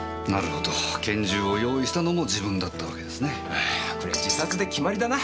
ああこりゃ自殺で決まりだな。